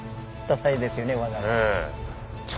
多彩ですよね技が。